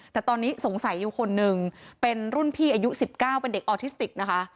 แต่ตอนนี้สงสัยอยู่คนหนึ่งเป็นรุ่นพี่อายุ๑๙เป็นเด็กออทิสติกนะคะ